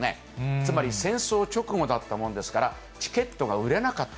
つまり戦争直後だったもんですから、チケットが売れなかった。